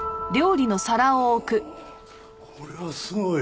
これはすごい。